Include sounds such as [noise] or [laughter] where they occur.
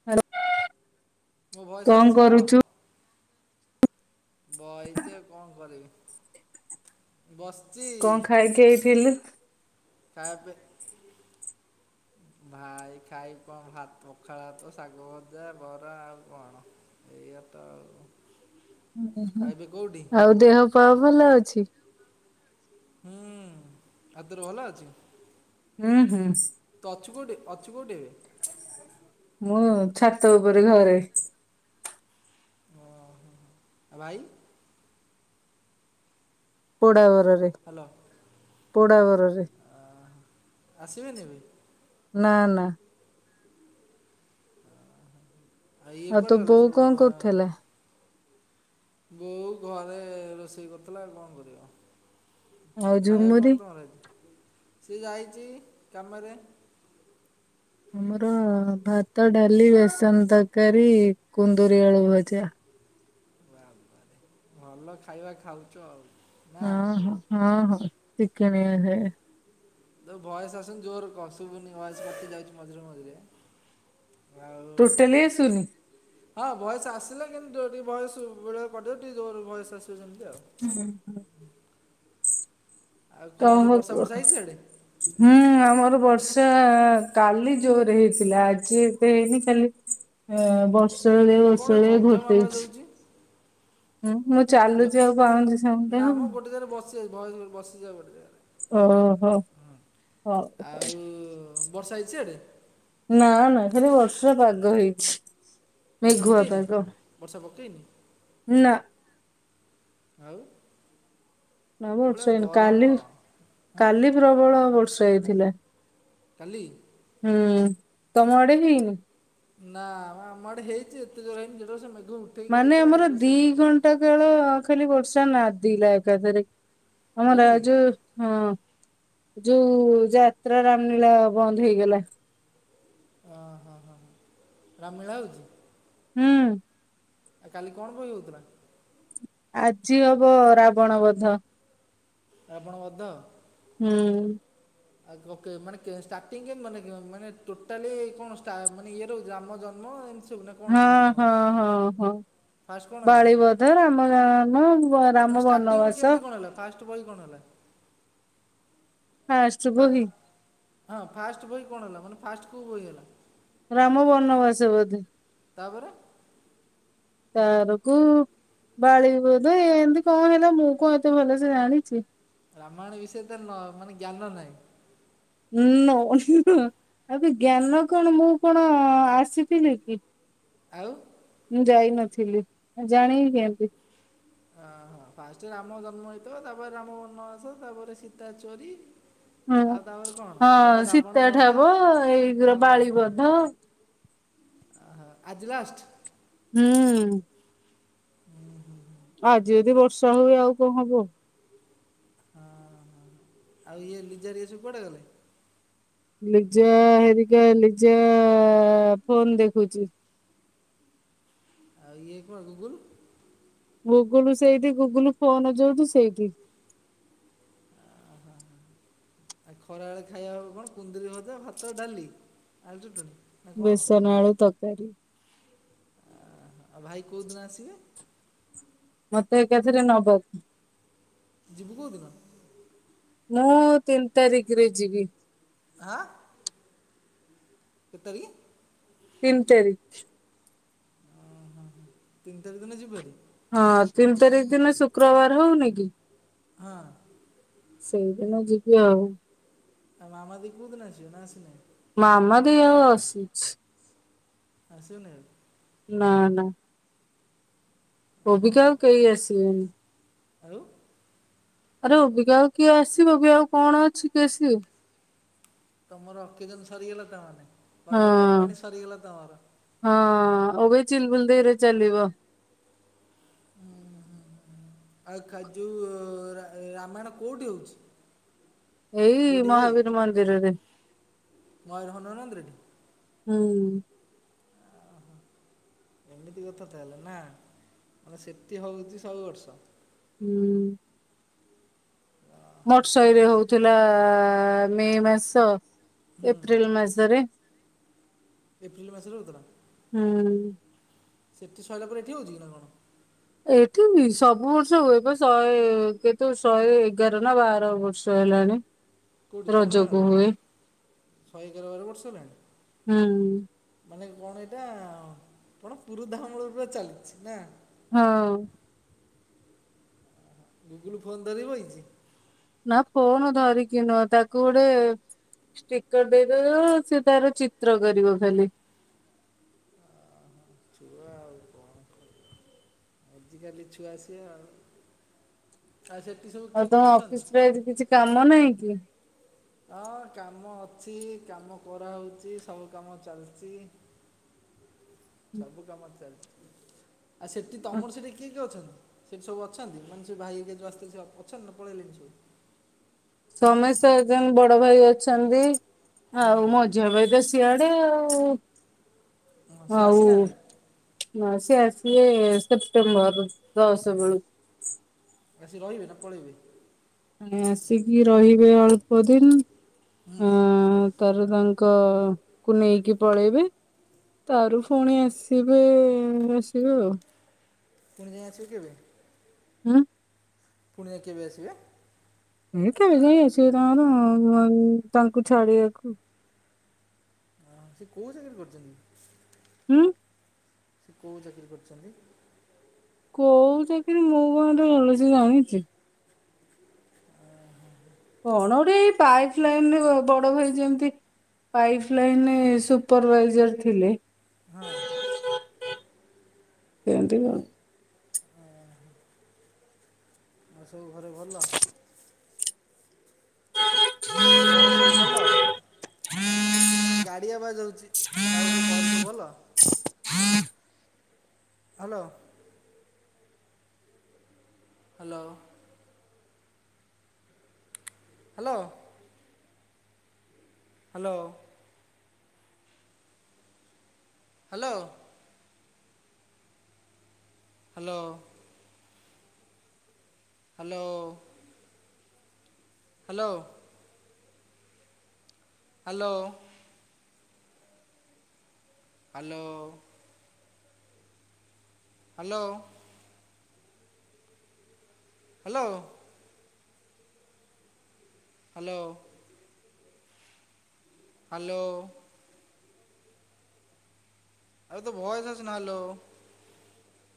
[inaudible] ମୋ ଭଏସ କଣ ଆସିଛି ତ? କରୁଛୁ ବଇଛି ଆଉ କଣ କରିବି ବସିଛି। [inaudible] [inaudible] ଭାଇ ଖାଇ କଣ ଭାତ ପଖାଳ ଭାତ ଶାଗ ଭଜା ବରା ଆଉ କଣ? ଏଇଆ ତ। ଓହୋ ଆଉ ଏବେ କୋଉଠି ଆଉ ଦେହ ପା ଭଲ ଅଛି। ହୁଁ ଆଦର ଭଲ ଅଛି? ହୁଁ ହୁଁ। ତ ଅଛୁ କେଉଁଠି ଅଛୁ କେଉଁଠି ଏବେ? ମୁଁ ଛାତ ଉପରେ ଘରେ। ଓ ହ ଆଉ ଭାଇ? ପୋଡାବରରେ ହ୍ୟାଲୋ ପୋଡାବରରେ। ଆସିବେନି ଏବେ ନା ନା। ଇଏ ଆଉ ତୋ କୁଆଡ଼େ ଗଲେ ବୋଉ ସବୁ କଣ ବା- କରୁଥିଲା? ବୋଉ ଘରେ ରୋଷେଇ କରିୁଥିଲା କଣ କରିବ। ଆଉ ଖାଇବା ଝୁମୁରି? କଣ ତମର ସିଏ ଯାଇଛି କାମରେ। ଆମର ଭାତ ଡାଲି ବେସନ ତରକାରୀ କୁନ୍ଦୁରି ଆଳୁ ଭଜା। [unintelligible] ଭଲ ଖାଇବା ଖାଉଛ ଆଉ। ନା ହଁ ହଁ ହଁ ହଁ ଚିକିଣିଆ ଖାଇବା। ଭଏସ ଆସନି ଜୋର କହ ସୁଭୁନି ଭଏସ କଟି ଯାଉଛି ମଝରେ ମଝରେ। ଟୋଟାଲି ଆସୁନି? ହଉ। ହଁ ବୟସ [unintelligible] ହୁଁ ହୁଁ। ଆଉ [unintelligible] କ'ଣ ସେ କୁହ? ବର୍ଷା ବର୍ଷା ହେଇଛି ସିଆଡ଼େ ହୁଁ ଆମର ବର୍ଷା କାଲି ଜୋରେ ହେଇଥିଲା ଆଜି ଏତେ ହେଇନି ଖାଲି? ହ ହଁ, ବର୍ଷରେ କ'ଣ ବର୍ଷରେ ଝମଝମ ଆବାଜ ଘୋଟେଇଛି। ହେଉଛି ହୁଁ, ମୁଁ ଝ- ଚାଲୁଛି ଆଉ ପାଉଁଜି ଶବ୍ଦ ନା ମ ହବନି। ଗୋଟେ ଜାଗାରେ ବସି ଭୟସ ଭ ବସି ଯା ଗୋଟେ ଜାଗାରେ। ଓହୋ ହଉ ହଉ। ହୁଁ। ବର୍ଷା ହେଇଛି ସିଆଡେ? ନା ନା ଖାଲି ବର୍ଷା ପାଗ ହେଇଛି। ବର୍ଷା ମେଘୁଆ ପକେଇନି ପାଗ। ବର୍ଷା ପକେଇନି। ନା ଆଉ। ନା ଯୋଉଭଳିଆ ବର୍ଷା ହେଇନି ଗରମ କାଲି ହଁ କାଲି ପ୍ରବଳ ବର୍ଷା ହେଇଥିଲା। କାଲି? ହୁଁ, ତମ ଆଡେ ହେଇନି? ନା ଆମ ଆଡେ ହେଇଛି ଯେ ଏତେ ଜୋର ହେଇନି ଯେତେବେଳେ ସେ ମେଘ ଉଠେ ମାନେ ଆମର ଦି ଘଣ୍ଟା ଦି ଘଣ୍ଟା କାଳ ଖାଲି ବର୍ଷା ନାଦିଲା ଏକାଥରେ ଆମ କାଲି ରାଜୋ ହଁ, ଯୋଉ ଯାତ୍ରା ରାମନୀଳା ବନ୍ଦ ହେଇଗଲା ଓ ହଁ, ହଁ, ହଁ ରାମଲ୍ଲୀଳା ହଉଛି? ହୁଁ। ଆଉ କାଲି କଣ ବହି ହଉଥିଲା? ଆଜି ହବ ରାବଣ ବଧ। ରାବଣ ବଧ। ହୁଁ। ଆଉ ମାନେ ଷ୍ଟାର୍ଟିଂ କେମତି ମାନେ ମାନେ ଟୋଟାଲି କଣ ମାନେ ଇଏ ରଛି ରାମ ଜନ୍ମ ସବୁ ନା କ'ଣ ହଁ, କେମିତି କ'ଣ ହଁ, ହେଉଛି ହଁ, ହଁ। ଫାର୍ଷ୍ଟ କ'ଣ ହେଲା ବାଳିବଧ, ରାମ ଜନ, ରାମ ବନବାସ [unintelligible] ନା ନାଫାଷ୍ଟ ବହି କଣ ହେଲା? ଫାଷ୍ଟ ଫା ବହି? ହଁ ଫାଷ୍ଟ ବହି କଣ ହେଲା ମାନେ ଫାଷ୍ଟ କୋଉ ବହି ହେଲା? ରାମ ବନବାସ ବୋଧେ। ତାପରେ? ତାପରକୁ ବାଳିବଧ ଏମିତି କଣ ହେଲା ମୁଁ କଣ ଏତେ ଭଲସେ ଜାଣିଛି। ରାମାୟଣ ବିଷୟ ତ ନ ମାନେ ଜ୍ଞାନ ନାହିଁ। ହୁଁ ନୋ [unintelligible] ଆବେ ଜ୍ଞାନ କଣ ମୁଁ କଣ ଆସିଥିଲି କି। ଆଉ। ମୁଁ ଯାଇନଥିଲି ଜାଣିବି କେମିତି। [unintelligible] ଓ ହୋ ଫାଷ୍ଟରେ ରାମ ଜନ୍ମ ହେଇଥିବ ତାପରେ ରାମ ବନମାସ ତାପରେ ସୀତା ଚୋରି। ହଁ। ଆଉ ତାପରେ କଣ ହଁ ତାପରେ ରାବଣ ସୀତା ଠାବ ବଧ ଏଇଗୁରା ହଁ। ବାଳିବଧ ଅ ହ ଆଜି ଲାଷ୍ଟ? ହୁଁ। ହୁଁ, ହୁଁଁ। ଆଜି ଯଦି ବର୍ଷା ହୁଏ ଆଉ କଣ ହବ। ହଁ, ହଁ ଆଉ ଇଏ ଲିଜା ଘରିକା ସବୁ କୁଆଡ଼େ ଗଲେ? ଲିଜା ହେରିକା ଲିଜା ଫୋନ୍ ଦେଖୁଛି। ଆଉ ଇଏ କଣ ଗୁଗୁଲ୍? ଗୁଗୁଲୁ ସେଇଠି ଗୁଗୁଲୁ ଫୋନ ଯୋଉଠୁ ସେଇଠି। ଓ ହୋ ହ। ଆଜି ଖରାବେଳେ ଖାଇବା କଣ କୁନ୍ଦରି ଭଜା ଭାତ ଡାଲି ଆଳୁ ଚଟଣି। ନା କ'ଣ ଅହଁ, ବେସନ ଆଳୁ ତରକାରୀ। ଆଉ ଭାଇ କୋଉଦିନ ଆସିବେ। ମତେ ଏକାଥରେ ନବ। ଯିବୁ କୋଉ ଦିନ। ମୁଁ ତିନି ତାରିକିରେ ଯିବି। ଆଁ। କେତଳକି। ତିନ୍ ତାରିକ୍। ଅଁ ହଁ ହଁ ତିନି ଚାରିଖ ଦିନ ଯିବୁବାରି। ହଁ ତିନି ତାରିଖ ଦିନ ଶୁକ୍ରବାର ହଉନି କି। ହଁ। ସେଇଦିନ ଯିବି ଆଉ। ତା ମା ମା ଦେଇ କୋଉ ଦିନ ଆସିବ ନା ଆସି ନେଇ। ମା ମା ଦେଇ ଆଉ ଆସୁଛି। ଆସୁ ନେଇ ଆଉ। ନା ନା। ଅବିକା ଆଉ କେହି ଆସିବେନି। ଆଉ। ଆରେ ଅବିକା ଆଉ କିଏ ଆସିବ ଅବିକା ଆଉ କଣ ଅଛି କିଏ ଆସିବେ। ତମର ଅକେଜନ ସରିଗଲା ତାମାନେ ହଁ ପର୍ବପର୍ବାଣୀ ସରିଗଲା ତମର। ହଁ ଅବିକା ଚିଲ ବୁଲ ଦେଇରେ ଚାଲିବ। ଆଉ କା ଯୋଉ ରାମାୟଣ କୋଉଠି ହଉଛି। ଏଇ ଯୋଉଠି ହୁଏ ମହାବୀର ମନ୍ଦିରରେ। ମୟୂର ହନୁମାନନ୍ଦିରଠି ହୁଁ। ଓ ଓହୋ। ଏମିତି କଥା ହେଲେ ନା ମାନେ ସେତିି ହଉଛି ସବୁ ବର୍ଷ। ହୁଁ। ଭଟ୍ ଶାଇରେ ହଉଥିଲା ମେ ମାସ ହୁଁ ଏପ୍ରିଲ ମାସ ରେ। ଏପ୍ରିଲ ମାସରେ ହୋଉଥିଲା ହୁଁ ସେଠି ଶହିଲା ପରେ ଏଠି ହଉଛି ନା କଣ? ଏଠି ବି ସବୁ ବର୍ଷ ହୁଏ ବା ଶହେ କେତୁ ଶହେ ଏଗାର ନା ବାର ବର୍ଷ ହେଲାଣି। କୋଉଠି ତମ ରଜକୁ ଗାଁରେ ହୁଏ ଶହେ ଏଗାର ବାର ବର୍ଷ ହେଲାଣି। ହୁଁ। ମାନେ କଣ ଏଇଟା କଣ ପୁରୁଧାମୂଳ ରୁ ଚାଲିଛି ନା। ହଁ। ଗୁଗୁଲୁ ଫୋନ ଧରି ବଇଛି। ନା ଫୋନ ଧରିକି ନା ତାକୁ ଗୋଟେ ଷ୍ଟିକର ଦେଇ ଦବ ସେ ତାର ଚିତ୍ର କରିବ ଖାଲି। ଛୁଆ ଆଉ କଣ କରିବ। ଆଜିକାଲି ଛୁଆ ସିଏ ଆଉ। ତାର ଯେତିକି ସବୁ ଆଉ କିଏ କିଏ ତମ ଅଛନ୍ତି ଅଫିସ ରେ ଆଜି କିଛି କାମ ନାହିଁ କି। ହଁ କାମ ଅଛି, କାମ କରାହୋଉଛି, ସବୁ କାମ ଚାଲିଛି। ସବୁ କାମ ଚାଲିଛି, ଆ ସେଠି ତମର ସେଠି କିଏ କିଏ ଅଛନ୍ତି? ସେଠି ସବୁ ଅଛନ୍ତି, ମାନେ ସେ ଭାଇ ଆସିଥିଲେ ଅଛନ୍ତି ନାଁ ପଳେଇଲେଣି ସବୁ? ସମେଶେ ସା ବଡ ଭାଇ ଅଛନ୍ତି, ଆଉ ମୋ ଜବେଦ ସେଆଡେ ଆଉ, ହଁ ସେ ହଉ। ଆସିନାହାନ୍ତି ନାଁ ସେ ଆସିବେ ସେପ୍ଟେମ୍ବର ଦଶ୍ ବେଳକୁ। ଆସି ରହିବେ ନାଁ ପଳେଇବେ? ଆସିକି ରହିବେ ଅଳ୍ପ ଦିନ୍ ଅଁ ତା ପରେ ତାଙ୍କ କୁ ନେଇକି ପଳେଇବେ। ତାରୁ ପୁଣି ଆସିବେ ଆସିବେ ଆଉ। ପୁଣି ଯାଇ ଆସିବେ କେବେ? ହୁଁ। ପୁଣି ଯାଇ କେବେ ଆସିବେ? [inaudible] ତାଙ୍କୁ ଛାଡିବାକୁ। ହଁ ସେ କୋଉଁ ଜାଗାରେ କରିଛନ୍ତି? ଉଁ। କୋଉଁ ଚାକିରି କରିଚନ୍ତି? କୋଉଁ ଚାକିରି ମୁଁ କଣ ଏତେ ଭଲ ସେ ଜାଣିଛି। ହୁଁ - ହୁଁ। କଣ ଗୋଟେ ଏଇ ପାଇପ୍ ଲାଇନ୍ ରେ ଉଁ ବଡ ଭାଇ ଯେମତି ପାଇପ୍ ଲାଇନ୍ ରେ ସୁପରଭାଇଜର୍ ଥିଲେ। ହଁ। ଏମିତି ବି ଭଲ। ଆଉ ସବୁ ଘରେ ଭଲ? ଆଉ ଘରେ ସବୁ ଭଲ? ଗାଡିଆ ଆବାଜ୍ ଯାଉଛି, ଆଉ ସବୁ ଘରେ ଭଲ? Hello. Hello. Hello. Hello. Hello. Hello ଓ। ହାଲୋ ଓ। Hello. Hello. Hello. Hello. Hello. Hello. Hello. ଆରେ ତ ଭଏସ୍ ଅସୁନି ହାଲୋ।